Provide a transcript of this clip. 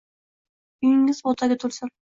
Uyingiz bug’doyga to’lsin